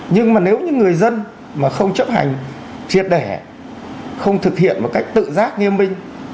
nhưng mà nếu như người dân mà không chấp hành triệt đẻ không thực hiện một cách tự giác nghiêm minh